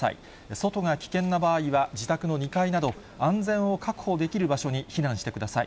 外が危険な場合は自宅の２階など、安全を確保できる場所に避難してください。